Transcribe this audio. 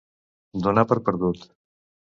Donar per perdut.